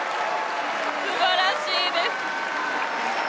すばらしいです。